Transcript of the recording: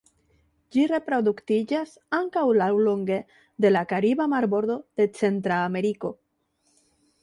Ĝi reproduktiĝas ankaŭ laŭlonge de la kariba marbordo de Centra Ameriko.